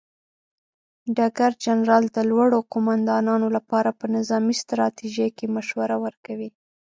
ډګر جنرال د لوړو قوماندانانو لپاره په نظامي ستراتیژۍ کې مشوره ورکوي.